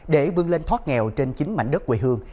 để vươn lên thoát nghèo trên chính mảnh đất quê hương